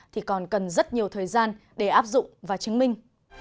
thì còn cần rất nhiều thời gian để áp dụng và chứng minh